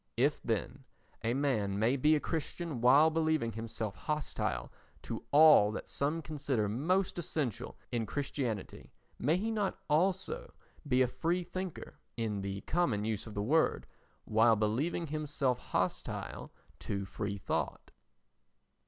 If, then, a man may be a Christian while believing himself hostile to all that some consider most essential in Christianity, may he not also be a free thinker (in the common use of the word) while believing himself hostile to free thought?